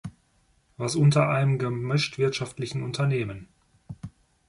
Was unter einem gemischtwirtschaftlichen Unternehmen?